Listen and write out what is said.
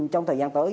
trong thời gian tới